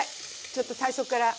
ちょっと最初から。